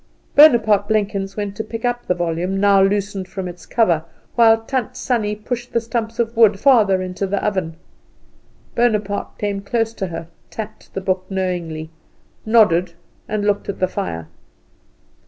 Bonaparte Blenkins went to pick up the volume, now loosened from its cover, while Tant Sannie pushed the stumps of wood further into the oven. Bonaparte came close to her, tapped the book knowingly, nodded, and looked at the fire.